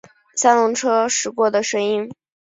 三轮车驶过的声音